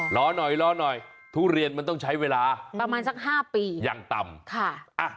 รอหน่อยทุเรียนมันต้องใช้เวลาประมาณสัก๕ปียังต่ำ